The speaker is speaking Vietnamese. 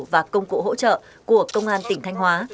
và công cụ hỗ trợ của công an tỉnh thanh hóa